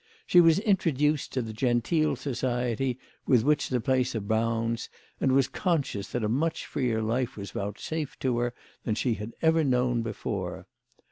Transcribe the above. She was introduced to the genteel society with which that place abounds, and was conscious that a much freer life was vouchsafed to her than sh"e had ever known before.